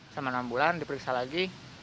selama enam bulan diperiksa lagi